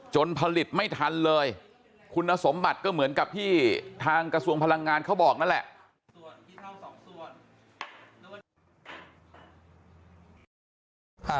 ผลิตไม่ทันเลยคุณสมบัติก็เหมือนกับที่ทางกระทรวงพลังงานเขาบอกนั่นแหละ